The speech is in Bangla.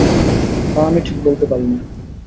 তা আমি ঠিক বলতে পারি নে।